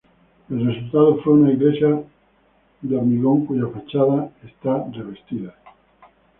El resultado fue una iglesia Hormigón cuya fachada está revestida.